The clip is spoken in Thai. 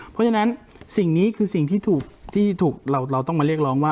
เพราะฉะนั้นสิ่งนี้คือสิ่งที่ถูกเราต้องมาเรียกร้องว่า